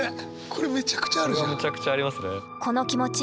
これめちゃくちゃあるじゃん。